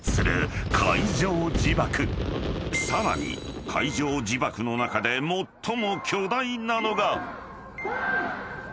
［さらに海上自爆の中で最も巨大なのが］